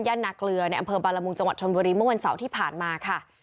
นาเกลือในอำเภอบาลมุงจังหวัดชนบุรีเมื่อวันเสาร์ที่ผ่านมาค่ะ